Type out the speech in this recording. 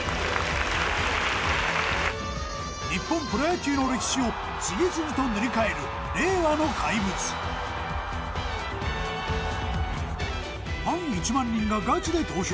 日本プロ野球の歴史を次々と塗り替えるファン１万人がガチで投票！